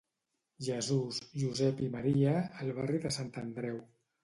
Jesús, Josep i Maria, al barri de Sant Andreu.